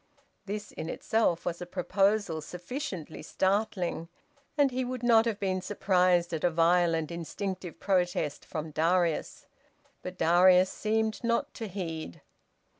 This in itself was a proposal sufficiently startling, and he would not have been surprised at a violent instinctive protest from Darius; but Darius seemed not to heed.